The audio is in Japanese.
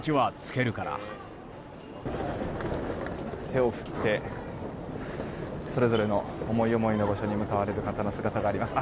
手を振ってそれぞれの、思い思いの場所へ向かわれる方の姿があります。